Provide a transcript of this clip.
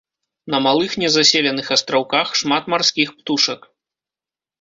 На малых незаселеных астраўках шмат марскіх птушак.